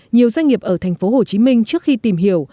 nhiều doanh nghiệp ở tp hcm trước khi tìm hiểu